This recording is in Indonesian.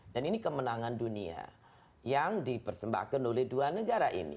ini kemenangan dunia yang dipersembahkan oleh dua negara ini